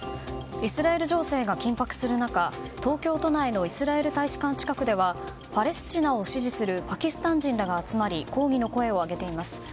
イスラエル情勢が緊迫する中東京都内のイスラエル大使館近くではパレスチナを支持するパキスタン人らが集まり抗議の声を上げています。